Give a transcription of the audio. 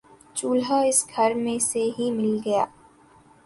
چولہا اس گھر میں سے ہی مل گیا